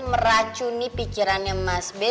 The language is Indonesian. meracuni pikirannya mas be